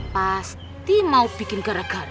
pasti mau bikin gerakan